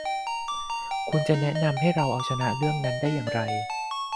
คุณจะแนะนำให้เราเอาชนะเรื่องนั้นได้อย่างไร